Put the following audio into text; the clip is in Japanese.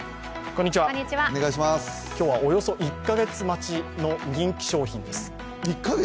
今日はおよそ１カ月待ちの人気商品です。